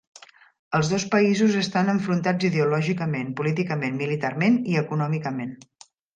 Els dos països estan enfrontats ideològicament, políticament, militarment i econòmicament.